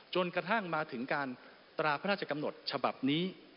จนกระทั่งมาถึงการตราพระราชกำหนดฉบับนี้